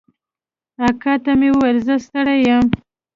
اکا ته مې وويل زه ستړى يم.